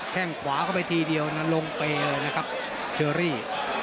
แข้งขวาก็ไปทีเดียวนะลงเปย์เลยนะครับเชอรี่